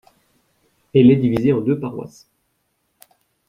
Elle est divisée en deux paroisses.